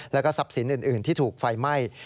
แล้วก็ทรัพย์สินอื่นที่ถูกไฟไหม้